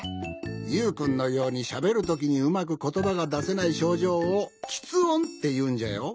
ユウくんのようにしゃべるときにうまくことばがだせないしょうじょうをきつ音っていうんじゃよ。